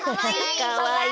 かわいい！